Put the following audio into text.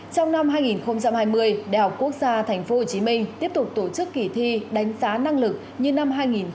trong năm hai nghìn hai mươi đh quốc gia tp hcm tiếp tục tổ chức kỳ thi đánh giá năng lực như năm hai nghìn một mươi chín